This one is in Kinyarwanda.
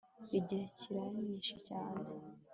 igihe kiranyishe cyane